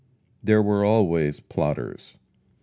There were always plotters.